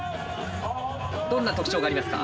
どんな特徴がありますか？